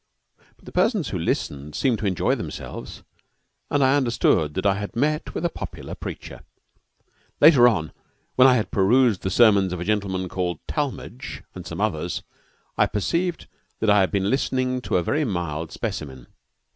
But the persons who listened seemed to enjoy themselves, and I understood that I had met with a popular preacher. Later on, when I had perused the sermons of a gentleman called Talmage and some others, I perceived that I had been listening to a very mild specimen.